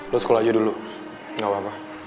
lu sekolah aja dulu gapapa